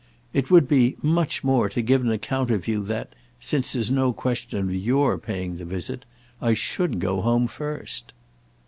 It would be, much more, to give an account of you that—since there's no question of your paying the visit—I should go home first."